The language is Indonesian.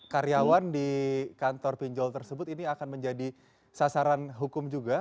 karyawan di kantor pinjol tersebut ini akan menjadi sasaran hukum juga